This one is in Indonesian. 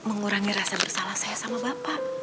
mengurangi rasa bersalah saya sama bapak